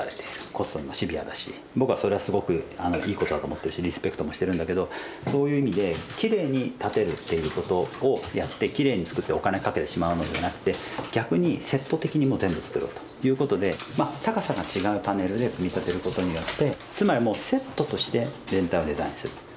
コストにもシビアだし僕はそれはすごくいいことだと思ってるしリスペクトもしてるんだけどそういう意味できれいに建てるっていうことをやってきれいにつくってお金かけてしまうのではなくて逆にセット的にもう全部つくろうということでまあ高さが違うパネルで組み立てることによってつまりもうセットとして全体をデザインする。